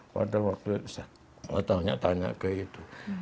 pada waktu saya tanya tanya ke itu